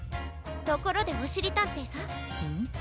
ところでおしりたんていさん。